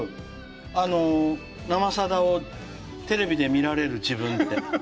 あの「生さだ」をテレビで見られる自分って。